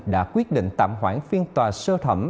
đã quyết định tạm hoãn phiên tòa sơ thẩm